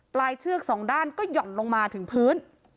ปลายเชือก๒ด้านก็หย่อนลงมาถึงพื้น